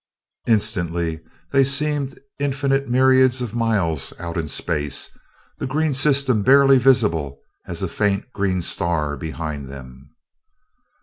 Instantly they seemed infinite myriads of miles out in space, the green system barely visible as a faint green star behind them.